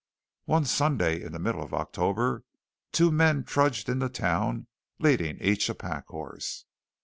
One Sunday in the middle of October two men trudged into town leading each a pack horse.